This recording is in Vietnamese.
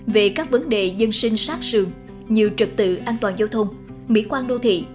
về các vấn đề dân sinh sát sườn như trật tự an toàn giao thông mỹ quan đô thị